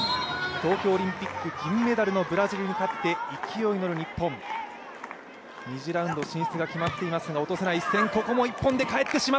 東京オリンピック銀メダルのブラジルに勝って勢いに乗る日本、２次ラウンド進出が決まっていますが、落とせない一戦。